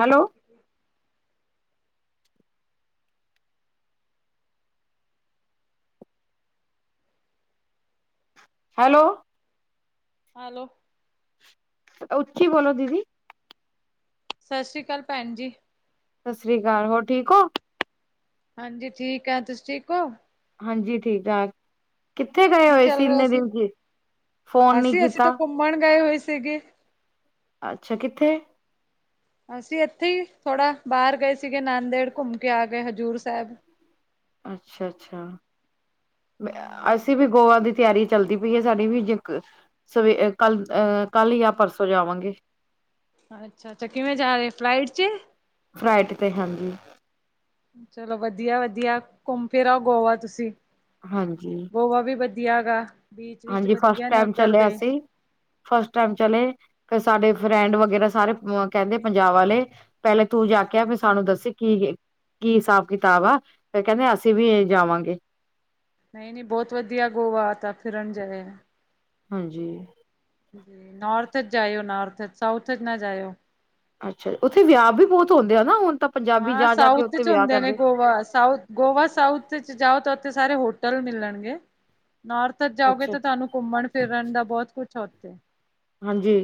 Hello. Hello. Hello. ਉੱਚੀ ਬੋਲੋ ਦੀਦੀ। ਸਤਿ ਸ਼੍ਰੀ ਅਕਾਲ ਭੈਣ ਜੀ ਸਤਿ ਸ੍ਰੀ ਅਕਾਲ, ਹੋਰ ਠੀਕ ਹੋ? ਹਾਂਜੀ ਠੀਕ ਆ ਤੁਸੀਂ ਠੀਕ ਹੋ? ਹਾਂਜੀ ਠੀਕ ਠਾਕ ਕਿੱਥੇ ਗਏ ਕੀ ਹੋਏ ਚੱਲ ਸੀ ਰਿਹਾ ਇੰਨੇ ਦਿਨ ਚ ਫੋਨ ਨੀ ਅਸੀਂ, ਅਸੀਂ ਤਾਂ ਕੀਤਾ ਘੁੰਮਣ ਗਏ ਹੋਏ ਸੀਗੀ ਅੱਛਾ ਕਿੱਥੇ ਅਸੀਂ ਇੱਥੇ ਹੀ ਥੋੜਾ ਬਾਹਰ ਗਏ ਸੀਗੇ ਨੰਦੇੜ ਘੁੰਮ ਕੇ ਆ ਗਏ ਹਜ਼ੂਰ ਸਾਹਿਬ ਅੱਛਾ-ਅੱਛਾ ਹੂੰ, ਅਸੀਂ ਵੀ ਗੋਆ ਦੀ ਤਿਆਰੀ ਚੱਲਦੀ ਪਈ ਹੈ ਸਾਡੀ ਵੀ ਜੇ ਸਵੇ ਕੱਲ ਅਹ ਕੱਲ ਜਾਂ ਪਰਸੋਂ ਜਾਵਾਂਗੇ ਅੱਛਾ-ਅੱਛਾ ਕਿਵੇਂ ਜਾ ਰਹੇ ਫਲਾਈਟ ਚ ਫਲਾਈਟ ਤੇ ਹਾਂਜੀ ਚਲੋ ਵਧੀਆ-ਵਧੀਆ ਘੁੰਮ ਫਿਰ ਆਓ ਗੋਆ ਤੁਸੀਂ ਹਾਂਜੀ ਗੋਆ ਵੀ ਵਧੀਆ ਗਾ ਬੀਚ ਵਿਚ ਹਾਂਜੀ ਫਸਟ ਵਧੀਆ ਨੇ ਟਾਈਮ ਉੱਧਰ ਚਲੇ ਦੇ। ਅਸੀ ਫਸਟ ਟੈਮ ਚਲੇ ਫੇਰ ਸਾਡੇ ਫਰੈਂਡ ਵਗੈਰਾ ਸਾਰੇ ਅ ਕਹਿੰਦੇ ਪੰਜਾਬ ਵਾਲੇ, ਪਹਿਲੇ ਤੂੰ ਜਾ ਕੇ ਆ ਫੇਰ ਸਾਨੂੰ ਹਾਂਜੀ, ਦੱਸ ਕੀ ਏ। ਕੀ ਹਿਸਾਬ ਕਿਤਾਬ ਆ ਫੇ ਕਹਿੰਦੇ ਅਸੀਂ ਵੀ ਜਾਵਾਂਗੇ। ਨਹੀਂ- ਨਹੀਂ ਬੋਤ ਵਧੀਆ ਗੋਆ ਤਾਂ, ਫਿਰਨ ਜਾਏ ਆ। ਹਾਂਜੀ। ਨੋਰਥ ਚ ਜਾਇਓ ਨੋਰਥ ਚ, ਸਾਊਥ ਚ ਨਾ ਜਾਏਓ। ਅੱਛਾ ਉੱਥੇ ਵਿਆਹ ਵੀ ਬਹੁਤ ਹੁੰਦੇ ਆ ਨਾ ਹੁਣ ਤਾਂ। ਪੰਜਾਬੀ ਹਾਂ ਜਾ ਜਾ ਕੇ ਸਾਊਥ ਉੱਥੇ ਚ ਵਿਆਹ ਹੁੰਦੇ ਨੇ ਕਰਦੇ ਗੋਆ, ਸਾਊਥ। ਗੋਆ ਸਾਊਥ ਚ ਜਾਓ ਤਾਂ ਉੱਥੇ ਸਾਰੇ ਹੋਟਲ ਮਿਲਣਗੇ, ਨੌਰਥ। ਜਾਓਗੇ ਅੱਛਾ ਤਾਂ ਅੱਛਾ ਤੁਹਾਨੂੰ ਘੁੰਮਣ ਫਿਰਨ ਦਾ ਬਹੁਤ ਕੁੱਛ ਉੱਥੇ। ਹਾਂਜੀ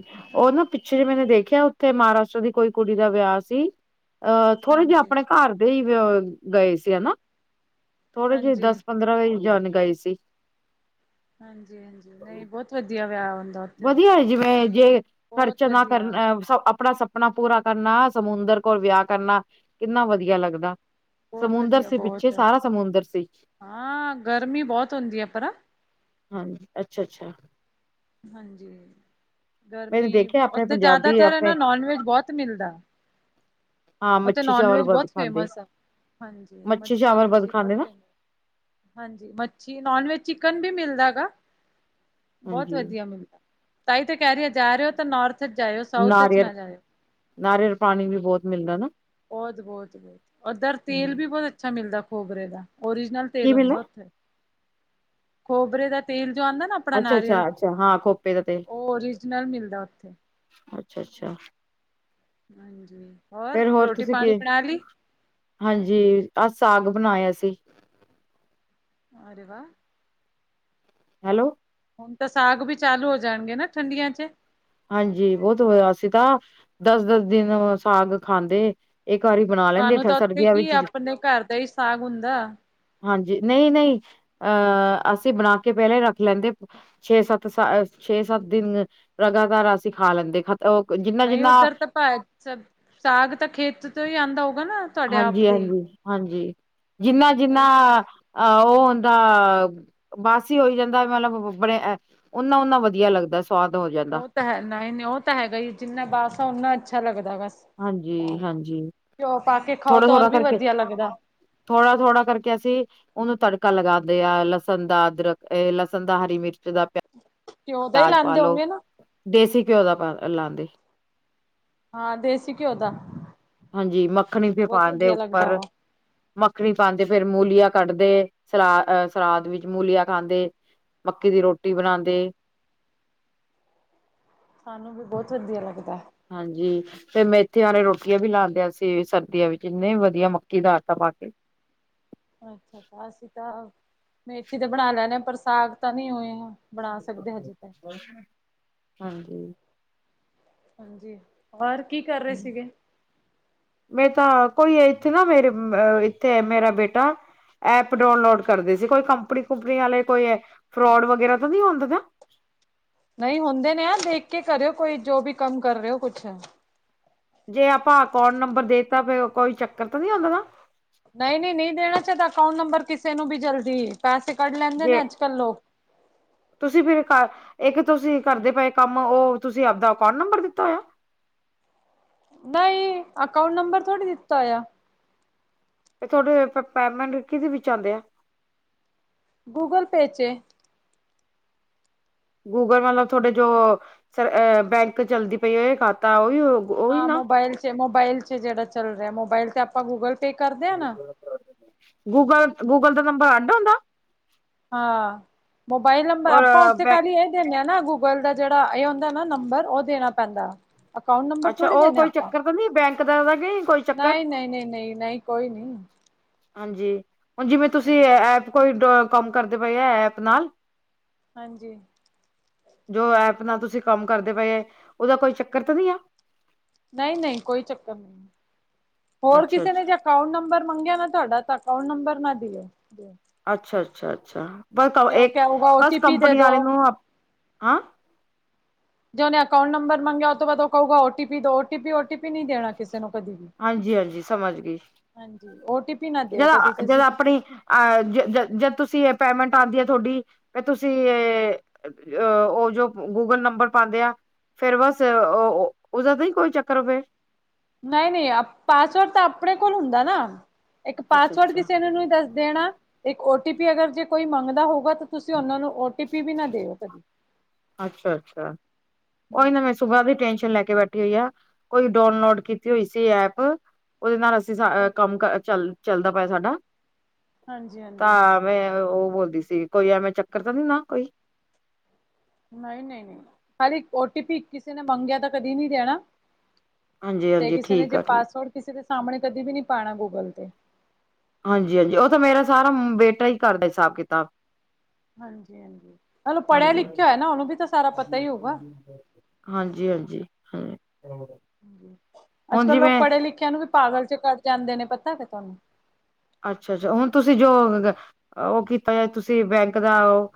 ਉ ਨਾ ਪਿੱਛੇ ਜੇ ਮੈਨੇ ਦੇਖਿਆ ਉੱਥੇ ਮਹਾਰਾਸ਼ਟਰ ਦੀ ਕੋਈ ਕੁੜੀ ਦਾ ਵਿਆਹ ਸੀ। ਅਹ ਥੋੜੇ ਜਿਹੇ ਹਾਂਜੀ। ਆਪਣੇ ਘਰ ਦੇ ਹੀ ਗਏ ਸੀ ਹਨਾ, ਥੋੜੇ ਜਿਹੇ ਹਾਂਜੀ, ਦਸ- ਪੰਦਰਾਂ। ਜਾਨ ਗਏ ਸੀ। ਹਾਂਜੀ- ਹਾਂਜੀ ਨਹੀਂ ਬੋਤ ਵਧੀਆ ਵਿਆਹ ਹੁੰਦਾ। ਉੱਥੇ ਵਧੀਆ ਜਿਵੇਂ ਜੇ ਬਹੁਤ ਖਰਚੇ ਨਾ ਵਧੀਆ। ਕਰਨੈ ਆਪਣਾ ਸ- ਆਪਣਾ ਪੂਰਾ ਕਰਨਾ ਸਮੁੰਦਰ ਕੋਲ ਵਿਆਹ ਕਰਨਾ ਕਿੰਨਾ ਵਧੀਆ ਲੱਗਦਾ। ਬੋਤ ਸਮੁੰਦਰ ਵਧੀਆ ਸੀ ਪਿੱਛੇ ਬੋਤ ਸਾਰਾ ਸਮੁੰਦਰ ਸੀ ਹਾਂ ਗਰਮੀ ਬਹੁਤ ਹੁੰਦੀ ਹੈ ਪਤਾ। ਹਾਂਜੀ ਅੱਛਾ- ਅੱਛਾ। ਹਾਂਜੀ ਮੈਨੇ ਗਰਮੀ ਦੇਖਿਆ ਆਪਣੇ ਉੱਥੇ ਪੰਜਾਬੀ ਜ਼ਿਆਦਾਤਰ ਨਾ ਆਪਣੇ ਨੋਨ ਵੈਜ ਬੋਤ ਮਿਲਦਾ। ਹਾਂ ਓਥੇ ਮੱਛੀ ਨੋਨ ਚਾਵਲ ਵੈਜ ਵੱਧ ਬੋਤ ਖਾਂਦੇ ਫੇਮਸ ਆ ਹਾਂਜੀ ਮੱਛੀ- ਚਾਵਲ ਵੱਧ ਵੱਛੀ ਬੋਤ ਖਾਂਦੇ ਨਾ ਫ- ਹਾਂਜੀ ਮੱਛੀ ਨੋਨ ਵੈਜ ਚਿਕਨ ਵੀ ਮਿਲਦਾ ਹੈ ਗਾ। ਬੋਤ ਹਾਂਜੀ ਵਧੀਆ ਮਿਲਦਾ ਤਾਈ ਤਾਂ ਕਹਿ ਰਹੀ ਜਾ ਰਹੇ ਹੋ ਤਾਂ ਨੌਰਥ ਚ ਜਾਇਓ ਸਾਊਥ ਚ ਨਾ ਜਾਇਓ। ਨਾਰਿਅਲ ਪਾਣੀ ਵੀ ਬੋਤ ਮਿਲਦਾ ਨਾ। ਬੋਤ- ਬੋਤ, ਬੋਤ ਓਧਰ ਤੇਲ ਵੀ ਬੋਤ ਅੱਛਾ ਮਿਲਦਾ ਖੋਬਰੇ ਦਾ ਓਰੀਜਨਲ। ਕੀ ਤੇਲ ਮਿਲਦਾ ਹੁੰਦਾ ਉੱਥੇ ਕੋਬਰੇ ਦਾ ਤੇਲ ਜੋ ਆਂਦਾ ਨਾ। ਅੱਛਾ ਨਾਰੀਅਲ ਅੱਛਾ ਅੱਛਾ ਹਾਂ ਖੋਪੇ ਦਾ ਤੇਲ ਉਹ ਓਰੀਜਨਲ ਮਿਲਦਾ ਉੱਥੇ। ਅੱਛਾ- ਅੱਛਾ। ਹਾਂਜੀ, ਹੋਰ ਫੇਰ ਰੋਟੀ- ਤੁਸੀਂ ਕੀ ਪਾਣੀ ਬਣਾ ਲਈ? ਹਾਂਜੀ ਅਜ ਸਾਗ ਬਣਾਇਆ ਸੀ। ਅਰੇ ਵਾਹ। ਹੈਲੋ, ਹੁਣ ਤਾਂ ਸਾਗ ਵੀ ਚਾਲੂ ਹੋ ਜਾਣਗੇ ਨਾ ਠੰਡੀਆਂ ਚ। ਹਾਂਜੀ ਬੋਤ ਹੋਇਆ ਸੀਗਾ ਦਸ- ਦਸ ਦਿਨ ਸਾਗ ਖਾਂਦੇ। ਇਹ ਵਾਰੀ ਬਣਾ ਲੈਂਦੇ ਸਾਨੂੰ ਫੇਰ ਤਾਂ ਉੱਥੇ ਸਰਦੀਆਂ ਕੀ ਵਿੱਚ। ਆਪਣੇ ਘਰ ਦਾ ਹੀ ਸਾਗ ਹੁੰਦਾ ਹਾਂਜੀ ਨਹੀਂ- ਨਹੀਂ ਅਹ ਅਸੀਂ ਬਣਾ ਕੇ ਪਹਿਲਾਂ ਹੀ ਰੱਖ ਲੈਂਦੇ। ਛੇ-ਸੱਤ ਸ ਛੇ-ਸੱਤ ਦਿਨ ਲਗਾਤਾਰ ਅਸੀਂ ਖਾ ਲੈਂਦੇ, ਖ- ਉਹ ਜਿੰਨਾ-ਜਿੰਨਾ। ਸ ਸਾਗ ਤਾਂ ਖੇਤ ਤੋਂ ਹੀ ਆਉਂਦਾ ਹੋਊਗਾ ਨਾ। ਤੁਹਾਡੇ ਆਪ ਦੇ ਹੀ ਹਾਂਜੀ-ਹਾਂਜੀ, ਹਾਂਜੀ ਜਿੰਨਾ-ਜਿੰਨਾ ਉਹੀ ਤਾਂ ਕਹਿ ਅ ਉਹ ਹੁੰਦਾ। ਬਾਸੀ ਹੋਈ ਜਾਂਦਾ ਮਤਲਬ ਬੜੇ ਓਨਾ- ਓਨਾ ਵਧੀਆ ਲੱਗਦਾ ਸਵਾਦ ਹੋ ਜਾਂਦਾ। ਉਹ ਤਾਂ ਹੈ ਨਾ ਨਹੀਂ ਉਹ ਤਾਂ ਹੈਗਾ ਹੀ ਜਿੰਨਾ ਬਸ ਹੈ ਉਨਾ ਅੱਛਾ ਲੱਗਦਾ ਹੈਗਾ। ਹਾਂਜੀ- ਹਾਂਜੀ ਕੇ ਖਾਓ ਥੋੜਾ- ਤਾਂ ਹੋਰ ਥੋੜਾ ਵੀ ਕਰਕੇ, ਵਧੀਆ ਲੱਗਦਾ ਥੋੜਾ- ਥੋੜਾ ਕਰਕੇ ਅਸੀਂ, ਉਹਨੂੰ ਤੜਕਾ ਲਗਾਂਦੇ ਆ ਲਸਣ ਦਾ, ਅਦਰਕ ਲਸਣ ਦਾ, ਹਰੀ ਮਿਰਚ ਦਾ। ਘਿਓ ਦਾ ਹੀ ਪਿਆਜ ਲਾਂਦੇ ਪਾਲੋ ਹੋਂਗੇ ਨਾ ਦੇਸੀ ਘਿਓ ਦਾ ਲਾਂਦੇ। ਹਾਂ ਦੇਸੀ ਘਿਓ ਦਾ ਹਾਂਜੀ, ਮੱਖਨੀ ਦੇ ਬਹੁਤ ਪਾਨ ਦੇ ਵਧੀਆ ਲੱਗਦਾ ਉੱਪਰ ਉਹ ਮੱਖਣੀ ਪਾਾਂਦੇ ਫੇਰ ਮੂਲੀਆਂ ਕੱਟਦੇ ਸਲਾ ਅ ਸਲਾਦ ਵਿੱਚ ਮੂਲੀਆਂ ਖਾਂਦੇ। ਮੱਕੀ ਦੀ ਰੋਟੀ ਬਣਾਦੇ। ਸਾਨੂੰ ਵੀ ਬਓਤ ਵਦੀਆ ਲੱਗਦਾ। ਹਾਂਜੀ। ਤੇ ਮੈਂਥੀ ਵਾਲੇ ਰੋਟੀਆਂ ਵੀ ਲਾ ਦਿਆ ਸੀ ਸਰਦੀਆਂ ਵਿਚ ਇੰਨੇ ਵਧੀਆ ਮੱਕੀ ਦਾ ਆਟਾ ਪਾ ਕੇ। ਅੱਛਾ, ਅਸੀਂ ਤਾਂ ਮੇਥੀ ਤੇ ਬਣਾ ਲੈਣੇ ਆਂ ਪਰ ਸਾਗ ਤਾਂ ਨਨੀਂ ਓਏ ਹੰਜੀ। ਹਾਂਜੀ, ਹੋਰ ਕੀ ਕਰ ਰੇ ਸੀਗੇ? ਮੈ ਤਾਂ ਕੋਈ ਏ ਏਥੇ ਨਾ ਮੇਰੇ ਅ ਏਥੇ ਮੇਰਾ ਬੇਟਾ ਐਪ ਡਾਊਨਲੋਡ ਕਰਦੇ ਸੀ। ਕੋਈ ਕੰਪਨੀ-ਕੁੰਪਨੀ ਆਲੇ ਕੋਈ ਫਰੋਡ ਵਗੈਰਾ ਤਾਂ ਨੀਂ ਹੁੰਦਾ ਨਾ? ਨਈਂ ਹੁੰਦੇ ਨੇ ਆ ਦੇਖ ਕੇ ਕਰਿਓ, ਕੋਈ ਜੋ ਵੀ ਕੰਮ ਕਰ ਰੇ ਓ ਕੁਛ। ਜੇ ਆਪਾਂ ਅਕੋਂਟ ਨੰਬਰ ਦੇਤਾ ਕੋਈ ਚੱਕਰ ਤਾਂ ਨੀਂ ਹੁੰਦਾ ਨਾ? ਨਈਂ-ਨਈਂ, ਨੀਂ ਦੇਣਾ ਚਦਾ ਅਕਾਊਂਟ ਨੰਬਰ ਕਿਸੇ ਨੂੰ ਵੀ ਜਲਦੀ ਪੈਸੇ ਕੱਢ ਲੈਂਦੇ ਨੇ ਜੇ ਅੱਜ ਕੱਲ ਲੋਕ। ਤੁਸੀਂ ਫੇਰ ਇੱਕ ਏਕ ਤੁਸੀਂ ਕਰਦੇ ਪਏ ਕੰਮ ਓ ਤੁਸੀਂ ਆਪਦਾ ਅਕਾਊਂਟ ਨੰਬਰ ਦਿੱਤਾ ਹੋਇਆ? ਨਈਂ, ਅਕਾਊਂਟ ਨੰਬਰ ਥੋੜ੍ਹੀ ਦਿੱਤਾ ਹੋਯਾ। ਫੇਰ ਥੋਡੇ ਪੇਮੈਂਟ ਕਿਦੇ ਵਿੱਚ ਆਂਦੇ ਆ? ਗੂਗਲ ਪੇ 'ਚ। ਗੂਗਲ ਮਤਲਬ ਥੋਡੇ ਜੋ ਸਰ ਬੈਂਕ ਚੱਲਦੀ ਪਈ ਏ ਓਹੀਓ ਖਾਤਾ ਓਹੀਓ। ਹਾਂ, ਮੋਬਾਇਲ 'ਚ ਮੋਬਾਇਲ 'ਚ ਜੇੜਾ ਚੱਲ ਰੇਯਾ ਮੋਬਾਇਲ ਤੇ ਆਪਾਂ ਗੂਗਲ ਪੇ ਕਰਦੇ ਆਂ ਨਾ। ਗੂਗਲ ਗੂਗਲ ਦਾ ਨੰਬਰ ਆਂਦਾ ਉਂਦਾ? ਹਾਂ, ਮੋਬਾਈਲ ਨੰਬਰ ਆਪਾਂ ਔਰ ਓਥੇ ਬੈ ਖਾਲੀ ਏਹ ਦਿੰਨੇ ਆਂ ਨਾ ਗੂਗਲ ਗੂਗਲ ਦਾ ਜੇੜਾ ਏ ਹੁੰਦਾ ਨਾ ਨੰਬਰ, ਓ ਦੇਣਾ ਪੈਂਦਾ। ਅਕਾਊਂਟ ਨੰਬਰ ਅੱਛਾ ਥੋੜੀ ਉਹ ਦੇਣਾ ਕੋਈ ਆਪਾਂ ਚੱਕਰ ਤਾਂ ਨਹੀਂ ਬੈਂਕ ਦਾ ਤਾਂ ਨਹੀਂ ਕੋਈ ਚੱਕਰ ਨਈਂ-ਨਈਂ, ਨਈਂ, ਨਈਂ-ਨਈਂ। ਕੋਈ ਨੀ। ਹਾਂਜੀ, ਹੁਣ ਜਿਵੇਂ ਤੁਸੀਂ ਹਾਂਜੀ ਐਪ ਕੋਈ ਕੰਮ ਕਰਦੇ ਪਏ ਆ ਐਪ ਨਾਲ ਹਾਂਜੀ। ਜੋ ਐਪ ਨਾਲ ਤੁਸੀਂ ਕੰਮ ਕਰਦੇ ਪਏ ਉਦਾ ਕੋਈ ਚੱਕਰ ਤਾਂ ਨਈਂ ਏ। ਨਈਂ-ਨਈਂ, ਕੋਈ ਚੱਕਰ ਨਈਂ, ਹੋਰ ਅੱਛਾ ਕਿਸੇ ਨੇ ਅੱਛਾ ਅਕਾਊਂਟ ਨੰਬਰ ਮੰਗਿਆ ਨਾ ਤੁਆਡਾ, ਤਾਂ ਅਕਾਊਂਟ ਨੰਬਰ ਨਾ ਦਿਓ ਦਿਓ। ਅੱਛਾ, ਅੱਛਾ-ਅੱਛਾ ਬਸ, ਏਕ ਕਹੇਗਾ ਓ ਬਸ ਟੀ ਪੀ ਦੇ ਕੰਪਨੀ ਵਾਲੇ ਦੋ ਨੂੰ, ਆਂ ਜੇ ਓਨੇ ਅਕਾਊਟੰਬਰ ਮੰਗਿਆ ਓਤੋਂ ਬਾਦ ਓ ਕੂਉਗਾ ਓਟੀਪੀ ਦਿਓ, ਓਟੀਪੀ ਓਟੀਪੀ ਨਈਂ ਦੇਣਾ ਕਿਸੇ ਨੂੰ ਕਦੀ ਵੀ। ਹਾਂਜੀ ਹਾਂਜੀ ਸਮਝ ਗਈ ਹਾਂਜੀ, ਓਟੀਪੀ ਨਾ ਦਿਓ ਕਦੀ ਕਿਸੇ ਨੂੰ ਤੁਸੀਂ। ਆ ਜ ਜ ਜਦ ਤੁਸੀਂ ਪੇਮੈਂਟ ਆਂਦੀ ਏ ਥੋਡੀ, ਤੇ ਤੁਸੀਂ ਅ ਓ ਜੋ ਗੂਗਲ ਨੰਬਰ ਪਾਂਦੇ ਆ ਫੇਰ ਵਸ ਓ ਓਦਾ ਤੇ ਨੀਂ ਕੋਈ ਚੱਕਰ ਫੇ ਨਈਂ-ਨਈਂ ਪਾਸਵਰਡ ਤਾਂ ਅਪਣੇ ਕੋਲ ਹੁੰਦਾ ਨਾ। ਏਕ ਅੱਛਾ ਪਾਸਵਰਡ ਅੱਛਾ ਕਿਸੇ ਨੂੰ ਨਈਂ ਦਸ ਦੇਣਾ। ਇੱਕ ਓਟੀਪੀ ਅਗਰ ਜੇ ਕੋਈ ਮੰਗਦਾ ਹੋਊਗਾ, ਤਾਂ ਤੁਸੀਂ ਉਨਾਂ ਨੂੰ ਟਿਪੀ ਵੀ ਨਾ ਦਿਓ ਕਦੀ, ਹੁੰ। ਸੁਬਾ ਦੀ ਟੈਨਸ਼ਨ ਲੈ ਕੇ ਬੈਠੀ ਹੋਈ ਆ। ਕੋਈ ਡਾਊਨਲੋਡ ਕੀਤੀ ਹੋਈ ਸੀ ਐਪ ਓਦੇ ਨਾਲ ਅਸੀਂ ਸਾਅ- ਰ ਕੰਮ-ਕਾਜ ਚੱਲ ਚੱਲਦਾ ਪਿਆ ਸਾਡਾ, ਹਾਂਜੀ ਹਾਂਜੀ ਤਾਂ ਵੇਂ ਓ ਬੋਲਦੀ ਸੀ, ਕੋਈ ਐਵੇਂ ਚੱਕਰ ਤਾਂ ਨਈਂ ਨਾ ਕੋਈ? ਨਈਂ-ਨਈਂ, ਨਈਂ ਖਾਲੀ ਓਟੀਪੀ ਕਿਸੇ ਨੇ ਮੰਗਿਆ ਤਾਂ ਕਦੀ ਨੀਂ ਦੇਣਾ। ਹਾਂਜੀ ਤੇ ਹਾਂਜੀ ਕਿਸੇ ਨੇ ਠੀਕ ਜੇ ਆ ਠੀਕ ਪਾਸਵਰਡ ਕਿਸੇ ਦੇ ਸਾਮਣੇ ਕਦੇ ਵੀ ਨੀ ਪਾਣਾ ਗੂਗਲ ਤੇ। ਹਾਂਜੀ-ਹਾਂਜੀ, ਉਹ ਤਾਂ ਮੇਰਾ ਸਾਰਾ ਬੇਟਾ ਈ ਕਰਦਾ, ਹਿਸਾਬ-ਕਿਤਾਬ। ਹਾਂਜੀ-ਹਾਂਜੀ, ਉਹ ਨੂੰ ਹਾਂਜੀ ਪੜ੍ਹਿਆ-ਲਿਖਿਆ ਹੋਇਆ ਨਾ, ਉਹਨੂੰ ਵੀ ਤਾ ਸਾਰਾ ਪਤਾ ਈ ਹੋਊਗਾ। ਹਾਂਜੀ-ਹਾਂਜੀ, ਹੂੰ ਹਾਂਜੀ। ਅੱਜ-ਕੱਲ ਲੋਕ ਪੜ੍ਹੇ ਲਿਖਿਆ ਨੂੰ ਵੀ ਪਾਗਲ'ਚ ਕਡ ਜਾਂਦੇ ਨੇ, ਪਤਾ ਕੇ ਤੁਹਾਨੂੰ। ਅੱਛਾ-ਅੱਛਾ, ਹੁਣ ਤੁਸੀਂ ਜੋ ਉਹਨਾ ਦਾ ਕੀਤਾ ਜਾ ਤੁਸੀਂ ਬੈਂਕ ਦਾ ਉਹ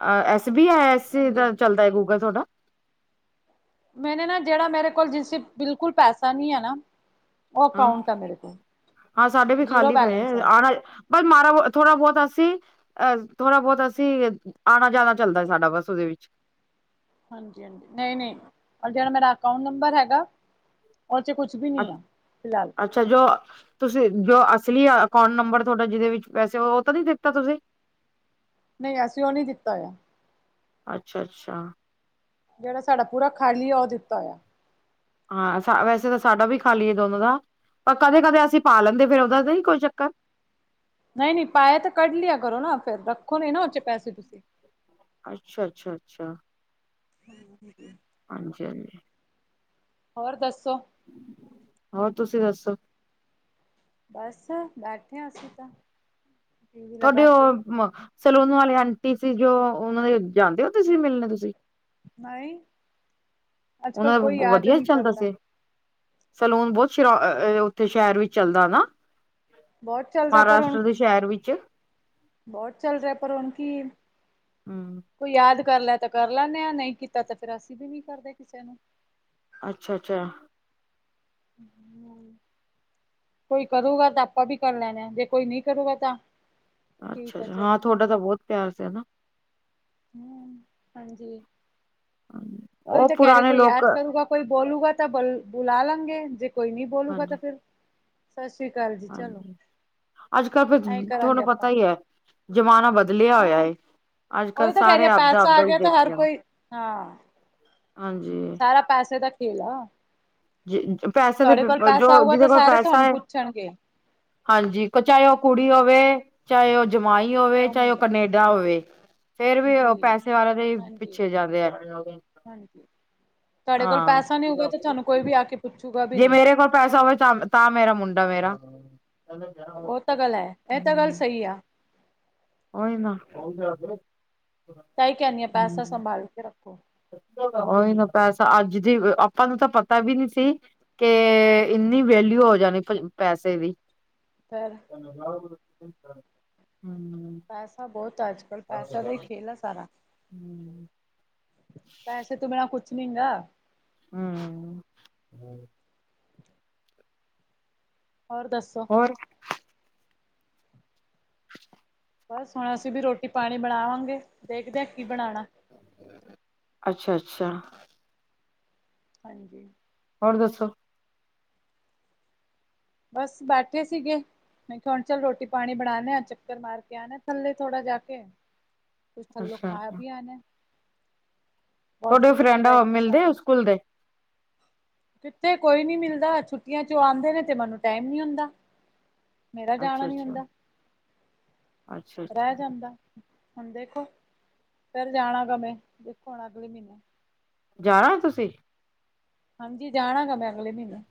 ਅ S B, I S C ਹਾਂਜੀ। ਦਾ ਚੱਲਦਾ ਏ, ਗੂਗਲ ਤੁਹਾਡਾ? ਮੈਨੇ ਨਾ, ਜਿਹੜਾ ਮੇਰੇ ਕੋਲ ਜਿਸ ਬਿਲਕੁਲ ਪੈਸਾ ਨੀ ਐਨਾ ਹਾਂ, ਆ ਸਾਡੇ ਵੀ ਜ਼ੀਰੋ ਖਾਲੀ ਪਏ ਏ, ਬੈਲੈਂਸ ਆ ਬਸ ਮਾਰਾ ਬੁ, ਥੋੜਾ-ਬਹੁਤ ਅਸੀ ਅ ਥੋੜਾ-ਬਹੁਤ ਅਸੀ, ਆਣਾ-ਜਾਣਾ ਚੱਲਦਾ ਸਾਡਾ ਬੱਸ ਉਹਦੇ ਵਿੱਚ। ਹਾਂਜੀ-ਹਾਂਜੀ, ਨਹੀਂ-ਨਹੀਂ, ਆਜਿਹੜਾ ਮੇਰਾ ਅਕਾੰਊਂਟ ਨੰਬਰ ਹੈਗਾ ਓ'ਚ ਕੁਛ ਬੀ ਨੀ ਆ, ਫਿਲਹਾਲ। ਅੱਛਾ ਜੋ, ਤੁਸੀਂ ਜੋ ਅਸਲੀ ਅਕਾੰਊਂਟ ਨੰਬਰ ਥੋਡਾ, ਜਿਹਦੇ ਵਿੱਚ ਪੈਸੇ, ਉਹ ਤਾਂ ਨੀ ਦਿੱਤਾ ਤੁਸੀਂ? ਨਹੀਂ, ਅਸੀਂ ਉਹ ਨਹੀਂ ਦਿੱਤਾ ਹੋਇਆ। ਅੱਛਾ-ਅੱਛਾ। ਜਿਹੜਾ ਸਾਡਾ ਪੂਰਾ ਖਾਲੀ ਆ, ਉਹ ਦਿੱਤਾ ਹੋਇਆ। ਹਾਂ, ਵੈਸੇ ਤਾ ਸਾਡਾ ਵੀ ਖਾਲੀ ਆ ਦੋਨੋ ਦਾ, ਪਰ ਕਦੇ-ਕਦੇ ਅਸੀਂ ਪਾ ਲੈਂਦੇ, ਫੇਰ ਉਹਦਾ ਤਾ ਨੀ ਕੋਈ ਚੱਕਰ? ਨਹੀਂ-ਨਹੀਂ, ਪਾਇਆ ਤਾਂ ਕੱਢ ਲਿਆ ਕਰੋ ਨਾ, ਫੇਰ ਰੱਖੋ ਨਹੀ ਨਾ ਉ'ਚ' ਪੈਸੇ ਤੁਸੀਂ। ਅੱਛਾ, ਅੱਛਾ, ਅੱਛਾ। [inaudible] ਹਾਂਜੀ-ਹਾਂਜੀ। ਹੋਰ ਦੱਸੋ? ਹੋਰ, ਤੁਸੀਂ ਦੱਸੋ? ਬਸ, ਬੈਠੇ ਆਂ, ਅਸੀਂ ਤਾਂ। ਟੀ ਵੀ ਤੁਹਾਡੇ ਲਗਾ ਕੇ ਉਹ, ਸੈਲੂਨ ਵਾਲੇ ਆਂਟੀ ਸੀ ਜੋ, ਉਹਨਾਂ ਦੇ ਜਾਂਦੇ ਓ ਮਿਲਨ ਤੁਸੀ। ਨਹੀਂ। ਅੱਜ ਕੱਲ ਉਹਨਾਂ ਦਾ ਕੋਈ ਯਾਦ ਵਧੀਆ ਨਹੀਂ ਚੱਲਦਾ ਕਰਦਾ। ਸੇ। ਸਲੂਨ ਬਹੁਤ ਸ਼, ਉੱਥੇ ਸ਼ਹਿਰ ਵਿੱਚ ਚੱਲਦਾ ਹਨਾ। ਬਹੁਤ ਚੱਲਦਾ ਪਰ ਹੁਣ ਮਹਾਰਾਸ਼ਟਰ ਦੇ ਸ਼ਹਿਰ ਵਿੱਚ। ਬਹੁਤ ਚੱਲ ਰਿਹਾ, ਪਰ ਹੁਣ ਕੀ ਹੂੰ ਕੋਈ ਯਾਦ ਕਰਲੈ, ਤਾਂ ਕਰ ਲੈਂਨੇ ਆ, ਨਹੀਂ ਕੀਤਾ ਤਾਂ ਫੇਰ ਅਸੀਂ ਵੀ ਨਹੀਂ ਕਰਦੇ ਕਿਸੇ ਨੂੰ। ਅੱਛਾ-ਅੱਛਾ। [inaudible] ਕੋਈ ਕਰੂਗਾ ਤਾਂ ਆਪਾਂ ਵੀ ਕਰ ਲੈਣੇ ਆ, ਜੇ ਕੋਈ ਨਹੀਂ ਕਰੂਗਾ ਤਾਂ ਠੀਕ ਆ ਅੱਛਾ-ਅੱਛਾ ਚਲੋ ਹਾਂ, ਤੁਹਾਡਾ ਤਾਂ ਬਹੁਤ ਪਿਆਰ ਸੀ, ਹਨਾ। ਹੂੰ, ਹਾਂਜੀ। ਹੂੰ, ਉਹੀ ਓਹ ਤਾਂ ਕਹਿ ਰਹੇ ਪੁਰਾਨੇ ਕੋਈ ਲੋਕ ਯਾਦ ਕਰੂਗਾ ਕੋਈ ਬੋਲੂਗਾ ਤਾ ਬ- ਬੁਲਾ ਲਾਂਗੇ, ਜੇ ਕੋਈ ਨਹੀਂ ਬੋਲੂਗਾ ਤਾਂ ਹਾਂਜੀ ਫਿਰ ਸਤਿ ਸ਼੍ਰੀ ਅਕਾਲ ਜੀ, ਚਲੋ। ਅੱਜ-ਕੱਲ ਫਿਰ ਐਂ ਕਰਾਂਗੇ ਥੋਨੂੰ ਪਤਾ ਆਪਾਂ ਈ ਐ, ਜ਼ਮਾਨਾ ਬਦਲਿਆ ਹੋਇਆ ਹਾਂ ਏ। ਅੱਜ ਕੱਲ ਉਹੀ ਤਾ ਕਹਿ ਰਹੀ ਆ, ਸਾਰੇ ਆਪਦਾ ਪੈਸਾ ਆਪਦਾ ਹੀ ਆਗਿਆ ਤਾ ਦੇਖੀ ਹਰ ਜਾਂਦੇ ਕੋਈ, ਹਾਂ। ਹਾਂਜੀ। ਸਾਰਾ ਪੈਸੇ ਦਾ ਖੇਲ ਆ। ਜੇ, ਪੈਸੇ ਦੇ, ਤੁਹਾਡੇ ਕੋਲ ਜੋ, ਪੈਸਾ ਆਊਗਾ ਜੀਦੇ ਤਾਂ ਕੋਲ ਸਾਰੇ ਪੈਸਾ ਤੁਹਾਨੂੰ ਏ। ਪੁੱਛਣਗੇ ਹਾਂਜੀ, ਚਾਹੇ ਓ ਕੁੜੀ ਹੋਵੇ, ਚਾਹੇ ਓ ਜਮਾਈ ਹੋਵੇ, ਚਾਹੇ ਓ ਮੁੰਡਾ ਹੋਵੇ, ਫੇਰ ਵੀ ਉਹ ਜੀ, ਪੈਸੇ ਵਾਲੇ ਦੇ ਹੀ ਹਾਂਜੀ, ਪਿੱਛੇ ਜਾਂਦੇ ਆ ਹਾਂਜੀ, ਤੁਹਾਡੇ ਕੋਲ ਹਾਂ ਪੈਸਾ ਨੀ ਹੋਊਗਾ ਤੇ ਤੁਹਾਨੂੰ ਕੋਈ ਵੀ ਆ ਕੇ ਪੁੱਛੂਗਾ ਵੀ ਜੇ ਨਹੀਂ। ਮੇਰੇ ਕੋਲ ਪੈਸਾ ਹੋਵੇ ਤਾਂ ਤਾਂ ਮੇਰਾ ਮੁੰਡਾ ਮੇਰਾ ਉਹ ਤਾਂ ਗੱਲ ਹੈਏ ਇਹ ਤਾਂ ਗੱਲ ਸਹੀ ਆ। ਉਹੀ ਨਾ ਤਾਂ ਹੀ ਕਹਿਣੀ ਆਂ ਪੈਸਾ ਸੰਭਾਲ ਕੇ ਰੱਖੋ। ਉਹੀ ਨਾ ਪੈਸਾ ਅੱਜ ਦੀ ਆਪਾਂ ਨੂੰ ਤਾਂ ਪਤਾ ਵੀ ਨੀ ਸੀ ਕੇ ਇੰਨੀ ਵੇਲਿਊ ਹੋ ਜਾਣੀ ਪੈਸੇ ਦੀ ਪਰ ਹੂੰ ਪੈਸਾ ਬਹੁਤ ਆ ਅੱਜ- ਕੱਲ ਪੈਸਿਆਂ ਦਾ ਹੀ ਖੇਲ ਆ ਸਾਰਾ ਪੈਸੇ ਤੋਂ ਬਿਨਾਂ ਕੁਛ ਨੀਗਾ ਹੂੰ ਹੋਰ ਦੱਸੋ? ਹੋਰ ਬਸ ਹੁਣ ਅਸੀਂ ਵੀ ਰੋਟੀ- ਪਾਣੀ ਬਣਾਵਾਂਗੇ ਦੇਖਦੇ ਆ ਕੀ ਬਣਾਣਾ ਅੱਛਾ-ਅੱਛਾ ਹਾਂਜੀ। ਹੋਰ ਦੱਸੋ? ਬਸ ਬੈਠੇ ਸੀਗੇ। ਮੈਂ ਕੇਹਾ ਹੁਣ ਚੱਲ ਰੋਟੀ- ਪਾਣੀ ਬਣਾਣੇ ਆ ਚੱਕਰ ਮਾਰ ਕੇ ਆਣਾ ਥੱਲੇ ਥੋੜਾ ਜਾ ਕੇ ਕੁਛ ਥੱਲੋਂ ਅੱਛਾ ਖਾਇਆ ਅੱਛਾ ਵੀ ਆਨਾ ਥੋਡੇ ਓ ਫਰੈਂਡ ਮਿਲਦੇ ਆ ਸਕੂਲ ਦੇ ਕਿੱਥੇ ਕੋਈ ਨੀ ਮਿਲਦਾ ਛੁੱਟੀਆਂ 'ਚ ਓ ਆਂਦੇ ਨੇ ਤੇ ਮੈਨੂੰ ਟੈਮ ਨੀ ਹੁੰਦਾ ਮੇਰਾ ਜਾਣਾ ਅੱਛਾ ਨੀ ਅੱਛਾ ਹੁੰਦਾ ਅੱਛਾ ਰਹਿ ਅੱਛਾ ਜਾਂਦਾ ਹੁਣ ਦੇਖੋ ਫਿਰ ਜਾਣਾ ਗਵੇਂ ਦੇਖੋ ਹੁਣ ਅਗਲੇ ਮਹੀਨੇ ਜਾਣਾ ਤੁਸੀਂ ਹਾਂਜੀ, ਜਾਣਾ ਗਾ ਮੈਂ ਅਗਲੇ ਮਹੀਨੇ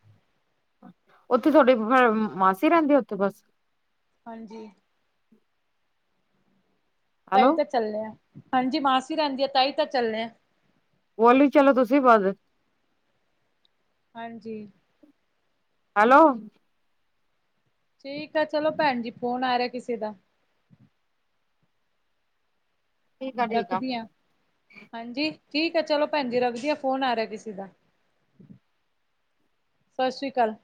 ਉੱਥੇ ਥੋਡੀ ਫ ਮਾਸੀ ਰਹਿੰਦੀ ਉੱਥੇ ਬਸ ਹਾਂਜੀ। ਤਾਹੀ ਹੈਲੋ ਤਾਂ ਚੱਲੇ ਆ, ਹਾਂਜੀ ਮਾਸੀ ਰਹਿੰਦੀ ਆ, ਤਾਹੀ ਤਾਂ ਚੱਲੇ ਆ ਬੋਲੀ ਚਲੋ ਤੁਸੀਂ ਵੀ ਬੱਸ ਹਾਂਜੀ। ਹੈਲੋ। ਠੀਕ ਆ ਚਲੋ ਭੈਣ ਜੀ ਫੋਨ ਆ ਰਿਹਾ ਕਿਸੇ ਦਾ। ਠੀਕ ਆ ਠੀਕ ਰੱਖਦੀ ਆ। ਹਾਂਜੀ ਠੀਕ ਆ ਚਲੋ ਭੈਣ ਜੀ ਰਬਦੀਆ ਫੋਨ ਆ ਰਿਹਾ ਕਿਸੇ ਦਾ। ਸਤਿ ਸ਼੍ਰੀ ਅਕਾਲ